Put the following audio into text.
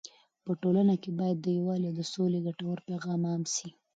په ټولنه کې باید د یووالي او سولې ګټور پیغام عام سي.